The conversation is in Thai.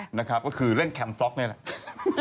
นะครับก็คือเล่นแคมปล็อกนี่แหละ